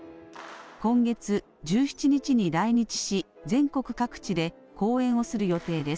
今月１７日に来日し全国各地で公演をする予定です。